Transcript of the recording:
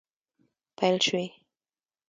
پیل شوي